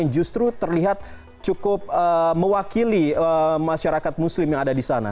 justru terlihat cukup mewakili masyarakat muslim yang ada di sana